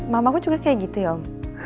mamaku juga kayak gitu ya om